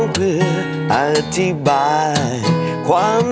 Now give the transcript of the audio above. พอไหมครับ